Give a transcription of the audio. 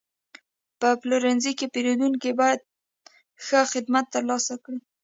په پلورنځي کې پیرودونکي باید ښه خدمت ترلاسه کړي.